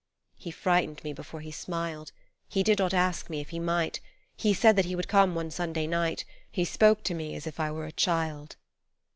He frightened me before he smiled He did not ask me if he might He said that he would come one Sunday night, He spoke to me as if I were a child.